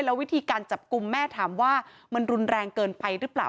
แล้ววิธีการจับกลุ่มแม่ถามว่ามันรุนแรงเกินไปหรือเปล่า